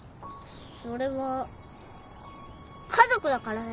それは家族だからだよ。